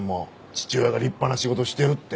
父親が立派な仕事してるって。